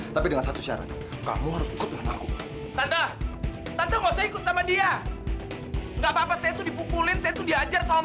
yang penting tata tuh gak usah ikut sama dia